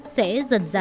sẽ giúp tượng nhà mồ